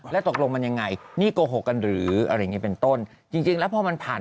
แล้วตกลงมันยังไงนี่โกหกกันหรืออะไรอย่างเงี้เป็นต้นจริงจริงแล้วพอมันผ่าน